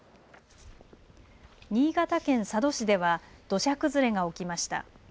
新潟県佐渡市では土砂崩れが起きました。